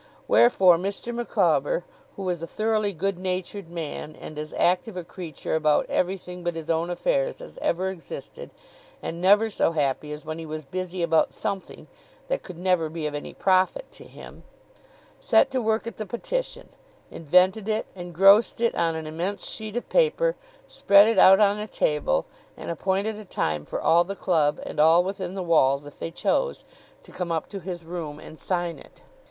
Wherefore Mr. Micawber (who was a thoroughly good natured man, and as active a creature about everything but his own affairs as ever existed, and never so happy as when he was busy about something that could never be of any profit to him) set to work at the petition, invented it, engrossed it on an immense sheet of paper, spread it out on a table, and appointed a time for all the club, and all within the walls if they chose, to come up to his room and sign it.